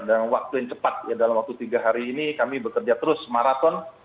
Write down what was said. dan waktu yang cepat dalam waktu tiga hari ini kami bekerja terus maraton